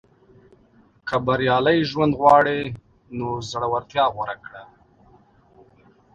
• که بریالی ژوند غواړې، نو زړورتیا غوره کړه.